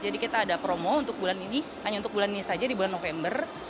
jadi kita ada promo untuk bulan ini hanya untuk bulan ini saja di bulan november